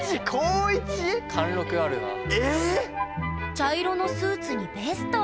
茶色のスーツにベスト。